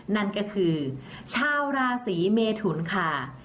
นั่นก็คือชาวราศีเมทุนค่ะ